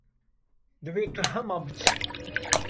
Divê tu hema biçî.